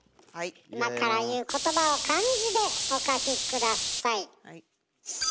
今から言う言葉を漢字でお書き下さい。